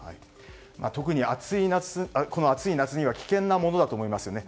特にこの暑い夏には危険なものだと思いますよね。